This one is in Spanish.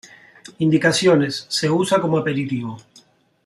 Indicaciones: se usa como aperitivo.